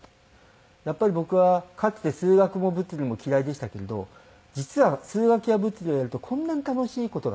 やっぱり僕はかつて数学も物理も嫌いでしたけれど実は数学や物理をやるとこんなに楽しい事があるんだ。